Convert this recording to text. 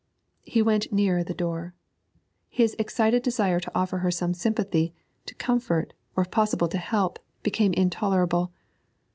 He went nearer the door. His excited desire to offer her some sympathy, to comfort, or if possible to help, became intolerable.